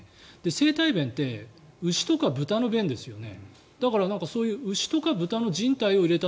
生体弁って牛とか豚の弁ですよね。